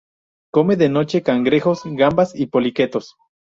Come de noche cangrejos, gambas y poliquetos.